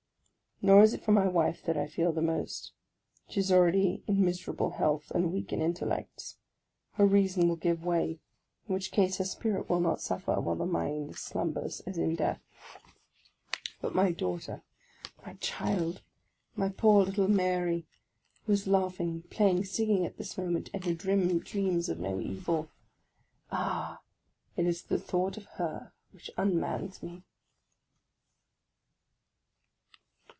Nor is it for my wife that I feel the most. She is already in miserable health, and weak in intellects ; her reason will give way, in which case her spirit will not suffer while the mind slumbers as in death. OF A CONDEMNED 51 But my daughter, my child, my poor little Mary, who is laughing, playing, singing at this moment, and who dreams of no evil! Ah, it is the thought of her which unmans me!